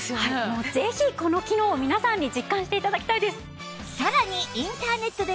もうぜひこの機能を皆さんに実感して頂きたいです。